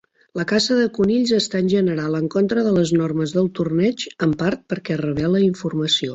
La caça de conills està en general en contra de les normes del torneig, en part perquè revela informació.